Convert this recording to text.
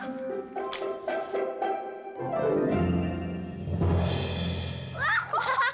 bukannya kayak setan